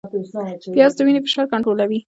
پیاز د وینې فشار کنټرولوي